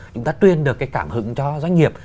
chúng ta truyền được cái cảm hứng cho doanh nghiệp